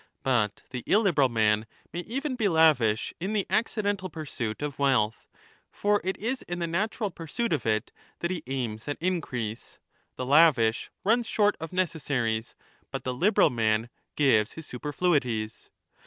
But the 5 illiberal man may even be lavish in the accidental pursuit of wealth, for it is in the natural pursuit of it that he aims at increase.^ The lavish runs short of necessaries ; but the liberal man gives his superfluities.